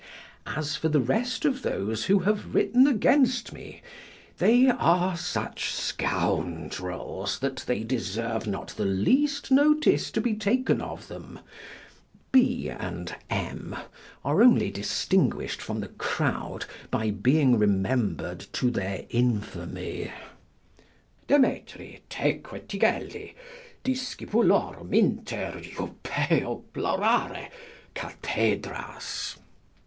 As for the rest of those who have written against me, they are such scoundrels that they deserve not the least notice to be taken of them, B and M are only distinguish'd from the crowd by being remember'd to their infamy: Demetri, teque Tigelli Discipulorum inter jubeo plorare cathedras.